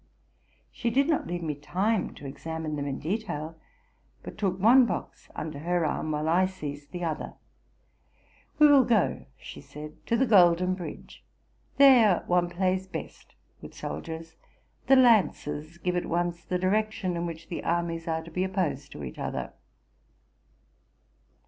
She did not leave me time to examine them in detail, but took one box under her arm, while I seized the other. '+ We will go,'' she said, '+ to the golden bridge. There one plays best with soldiers : the lances give at once the direction in which the armies are to be opposed to each other.